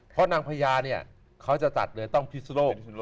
พระนางพญาเนี่ยเขาจะตัดเหนือต้องพิสุโลก